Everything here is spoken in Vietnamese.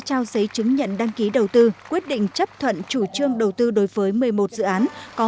trao giấy chứng nhận đăng ký đầu tư quyết định chấp thuận chủ trương đầu tư đối với một mươi một dự án có